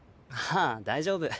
ああ大丈夫。